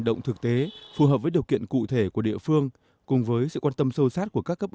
động thực tế phù hợp với điều kiện cụ thể của địa phương cùng với sự quan tâm sâu sát của các cấp